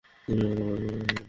তুমি আমাকে অনেক ভালোবাসো, পূজা।